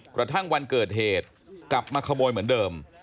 กระทั่งวันเกิดเหตุกลับมาขโมยเหมือนเดิม